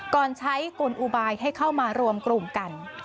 ก่อนใช้กลอุบายให้เข้ามารวมกลุ่มกัน